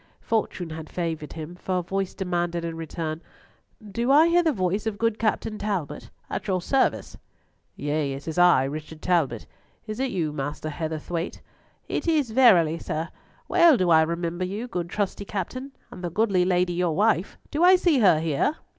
Fortune had favoured him, for a voice demanded in return, "Do I hear the voice of good Captain Talbot? At your service." "Yea, it is I—Richard Talbot. Is it you, good Master Heatherthwayte?" "It is verily, sir. Well do I remember you, good trusty Captain, and the goodly lady your wife. Do I see her here?"